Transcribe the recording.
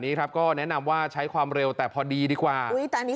นี้ครับก็แนะนำว่าใช้ความเร็วแต่พอดีดีกว่าอุ้ยแต่อันนี้